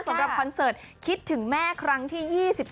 สำหรับคอนเสิร์ตคิดถึงแม่ครั้งที่๒๒